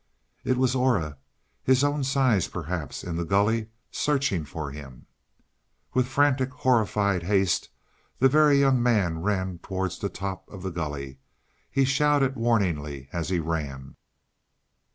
It was Aura, his own size perhaps, in the gully searching for him! With frantic, horrified haste, the Very Young Man ran towards the top of the gully. He shouted warningly, as he ran.